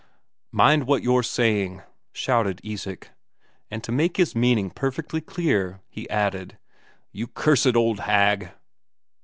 "Mind what you're saying," shouted Isak. And to make his meaning perfectly clear, he added: "You cursed old hag!"